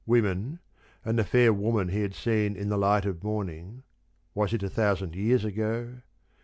Women, and the fair woman he had seen in the light of morning was it a thousand years ago?